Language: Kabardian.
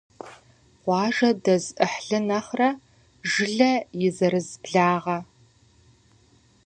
Къуажэ дэз Ӏыхьлы нэхърэ жылэ и зэрыз благъэ.